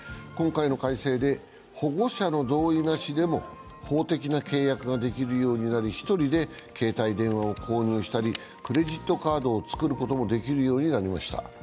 今回の改正で保護者の同意なしでも法的な契約ができるようになり１人で携帯電話を購入したりクレジットカードを作ることもできるようになりました。